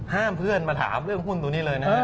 เพื่อนมาถามเรื่องหุ้นตัวนี้เลยนะฮะ